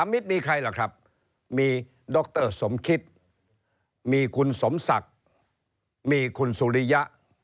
มิตรมีใครล่ะครับมีดรสมคิตมีคุณสมศักดิ์มีคุณสุริยะ